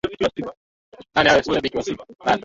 Alimpigia simu mtaalamu na kumuuliza kuhusu lile suala